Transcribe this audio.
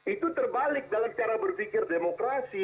itu terbalik dalam cara berpikir demokrasi